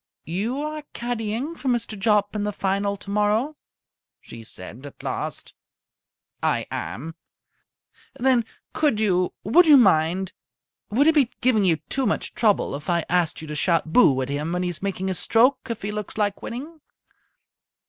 "You are caddying for Mr. Jopp in the Final tomorrow?" she said at last. "I am." "Then could you would you mind would it be giving you too much trouble if I asked you to shout 'Boo!' at him when he is making his stroke, if he looks like winning?"